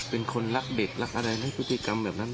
เป็นคนรักเด็กรักอะไรไหมพฤติกรรมแบบนั้น